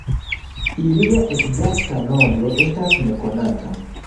Ilia ekzakta nombro estas nekonata.